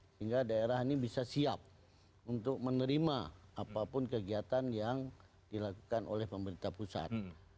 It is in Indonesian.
sehingga daerah ini bisa siap untuk menerima apapun kegiatan yang dilakukan oleh pemerintah pusat